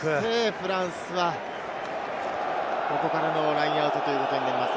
フランスはここからのラインアウトということになります。